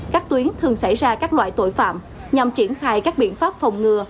các tuyến thường xảy ra các loại tội phạm nhằm triển khai các biện pháp phòng ngừa